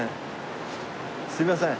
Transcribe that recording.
すいません。